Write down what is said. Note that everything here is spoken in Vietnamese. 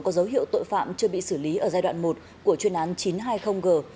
có dấu hiệu tội phạm chưa bị xử lý ở giai đoạn một của chuyên án chín trăm hai mươi g